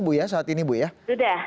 bu ya saat ini bu ya